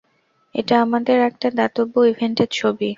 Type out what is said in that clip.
এটা আমাদের একটা দাতব্য ইভেন্টের ছবি।